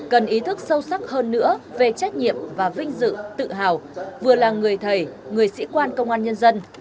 cần ý thức sâu sắc hơn nữa về trách nhiệm và vinh dự tự hào vừa là người thầy người sĩ quan công an nhân dân